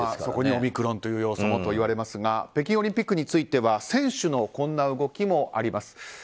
そこにオミクロンという要素もといわれますが北京オリンピックについては選手のこんな動きもあります。